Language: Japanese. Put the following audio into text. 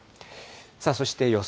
そして予想